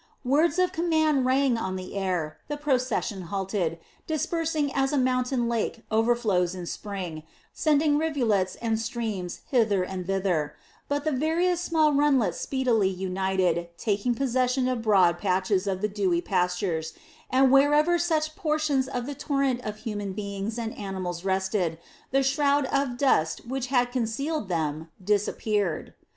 Words of command rang on the air, the procession halted, dispersing as a mountain lake overflows in spring, sending rivulets and streams hither and thither; but the various small runlets speedily united, taking possession of broad patches of the dewy pastures, and wherever such portions of the torrent of human beings and animals rested, the shroud of dust which had concealed them disappeared.